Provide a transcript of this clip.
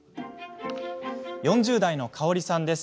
４０代の、かおりさんです。